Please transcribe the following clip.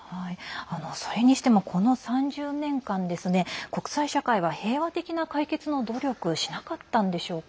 それにしてもこの３０年間、国際社会は平和的な解決の努力はしなかったのでしょうか？